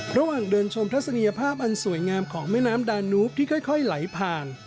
ระหว่างเดินชมทัศนียภาพอันสวยงามของแม่น้ำดานูฟที่ค่อยไหลผ่าน